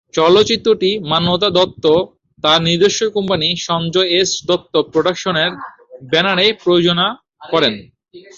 চলচ্চিত্রটি মান্যতা দত্ত তার নিজস্ব কোম্পানি সঞ্জয় এস দত্ত প্রোডাকশনের ব্যানারে প্রযোজনা করেন।।